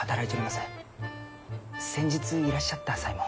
先日いらっしゃった際も。